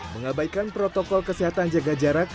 mengabaikan protokol kesehatan jaga jarak